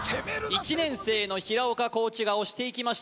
１年生の平岡航知が押していきました